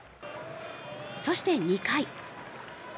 そして、２回。